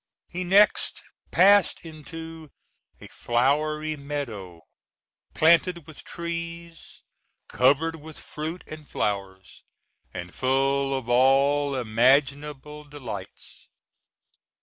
He next passed into a flowery meadow planted with trees, covered with fruit and flowers, and full of all imaginable delights.